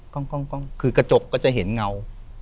กล้องคือกระจกก็จะเห็นเงา